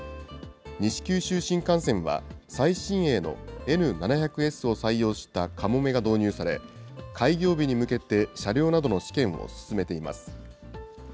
西九州新幹線は、最新鋭のＮ７００Ｓを採用したかもめが導入され、開業日に向けて、車両などの試験を進めています。